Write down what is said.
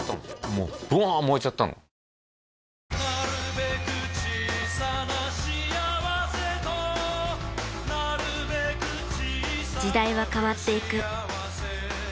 もうボワーッ燃えちゃったの時代は変わっていく。